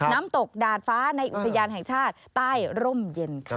น้ำตกดาดฟ้าในอุทยานแห่งชาติใต้ร่มเย็นค่ะ